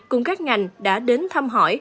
cùng các ngành đã đến thăm hỏi